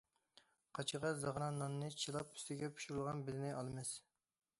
قاچىغا زاغرا ناننى چىلاپ ئۈستىگە پىشۇرۇلغان بېدىنى ئالىمىز.